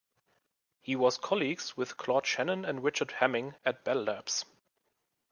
He was colleagues with Claude Shannon and Richard Hamming at Bell Labs.